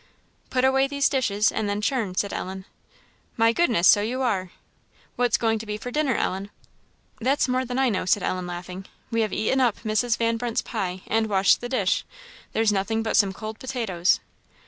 "Put away these dishes, and then churn," said Ellen. "My goodness! so you are. What's going to be for dinner, Ellen?" "That's more than I know," said Ellen, laughing. "We have eaten up Mrs. Van Brunt's pie, and washed the dish there's nothing but some cold potatoes."